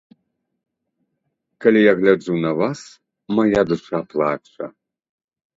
Калі я гляджу на вас, мая душа плача.